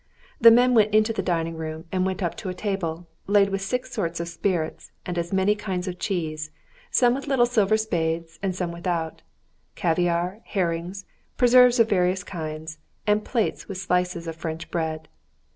The men went into the dining room and went up to a table, laid with six sorts of spirits and as many kinds of cheese, some with little silver spades and some without, caviar, herrings, preserves of various kinds, and plates with slices of French bread.